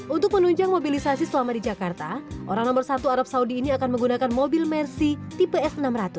untuk menunjang mobilisasi selama di jakarta orang nomor satu arab saudi ini akan menggunakan mobil mercy tipe s enam ratus